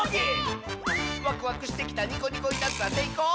「ワクワクしてきたニコニコいたずら」「せいこう？